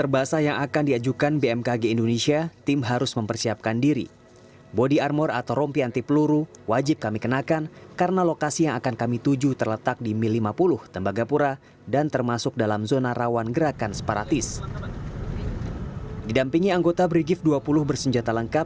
badan meteorologi klimatologi dan geofisika indonesia